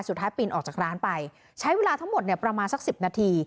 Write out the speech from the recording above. สุดท้ายปีนออกจากร้านไปใช้เวลาทั้งหมดประมาณสัก๑๐นาที